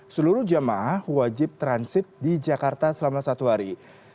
seluruh jemaah wajib transit di jakarta selama satu hari